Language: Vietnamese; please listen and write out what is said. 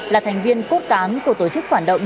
là thành viên cốt cán của tổ chức phản động